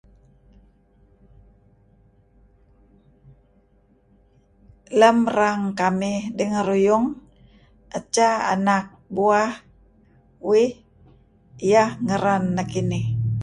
Lem rang kamih dengeruyung, echo anak buah uiih, ieh ngeren nekeinih.